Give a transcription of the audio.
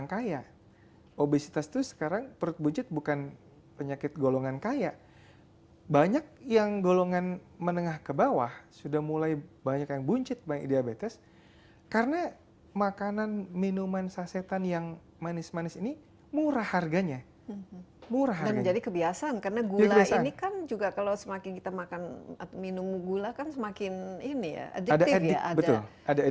gula ini kan juga kalau semakin kita makan minum gula kan semakin ini ya ada ada ada ada